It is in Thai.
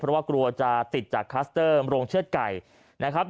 เพราะว่ากลัวจะติดจากโมโรงเชื้อไก่นะครับ